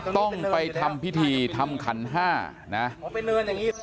ต้องไปทำพิธีทำขันห้านะออกไปเนินอย่างงี้